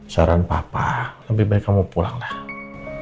saran papa lebih baik kamu pulang lah